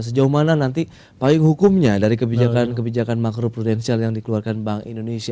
sejauh mana nanti payung hukumnya dari kebijakan kebijakan makro prudensial yang dikeluarkan bank indonesia